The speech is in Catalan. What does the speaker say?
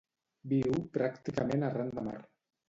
Viu pràcticament arran de mar.